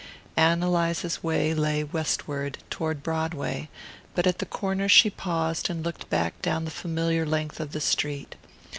Ann Eliza's way lay westward, toward Broadway; but at the corner she paused and looked back down the familiar length of the street.